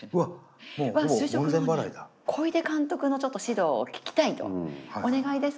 小出監督のちょっと指導を聞きたいと。